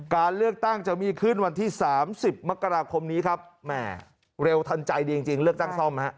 การเลือกตั้งจะมีขึ้นวันที่๓๐มกราคมนี้ครับแหมเร็วทันใจดีจริงเลือกตั้งซ่อมฮะ